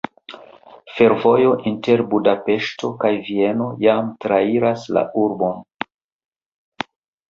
Fervojo inter Budapeŝto kaj Vieno jam trairas la urbon.